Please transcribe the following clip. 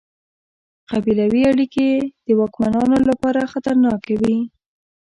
قبیلوي اړیکې یې د واکمنانو لپاره خطرناکې وې.